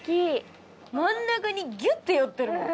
真ん中にギュって寄ってるもん。